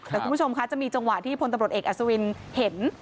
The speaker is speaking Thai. แต่คุณผู้ชมคะจะมีจังหวะที่พลตำรวจเอกอัศวินเห็น